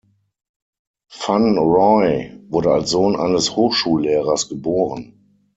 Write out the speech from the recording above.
Van Rooy wurde als Sohn eines Hochschullehrers geboren.